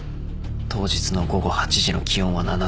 当日の午後８時の気温は７℃。